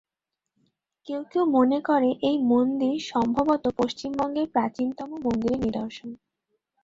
কেউ কেউ মনে করেন, এই মন্দির সম্ভবত পশ্চিমবঙ্গের প্রাচীনতম মন্দিরের নিদর্শন।